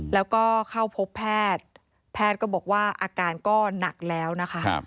แล้วก็เข้าพบแพทย์แพทย์ก็บอกว่าอาการก็หนักแล้วนะคะ